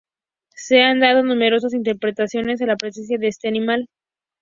Se han dado numerosas interpretaciones a la presencia de este animal.